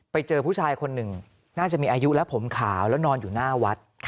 ไปเจอผู้ชายคนหนึ่งน่าจะมีอายุแล้วผมขาวแล้วนอนอยู่หน้าวัด